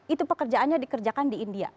itu pekerjaannya dikerjakan di india